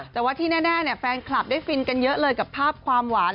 แต่ว่าที่แน่แฟนคลับได้ฟินกันเยอะเลยกับภาพความหวาน